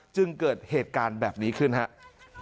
จึงเกิดเหตุการณ์แบบนี้ขึ้นครับ